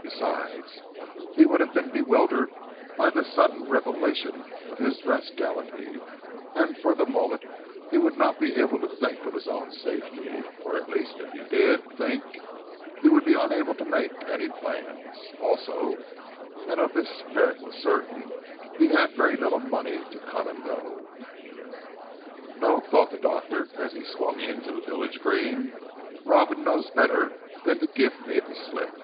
Besides, he would be bewildered by the sudden revelation of his rascality and for the moment he would not be able to think of his own safety. Or at least if he did think, he would be unable to make any plans. Also and of this Herrick was certain he had very little money to come and go on. "No," thought the doctor, as he swung into the village green, "Robin knows better than to give me the slip.